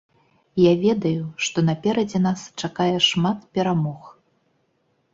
Я ведаю, што наперадзе нас чакае шмат перамог.